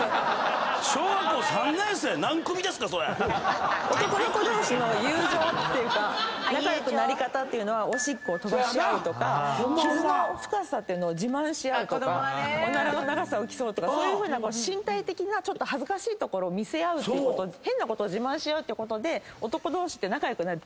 小学校３年生⁉何組⁉男の子同士の友情というか仲良くなり方っていうのはおしっこを飛ばし合うとか傷の深さを自慢し合うとかおならの長さを競うとかそういうふうな身体的な恥ずかしい所見せ合うっていう変なことを自慢し合うことで男同士って仲良くなる。